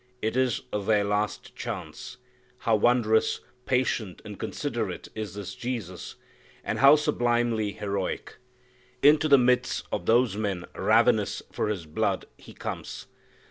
It is their last chance. How wondrously patient and considerate is this Jesus! And how sublimely heroic! Into the midst of those men ravenous for His blood He comes.